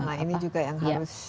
nah ini juga yang harus